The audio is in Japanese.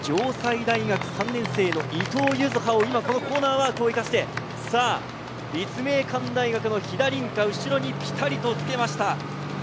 城西大学３年生の伊藤柚葉をこのコーナーワークを生かして立命館大学の飛田凛香後ろにぴたりとつけました。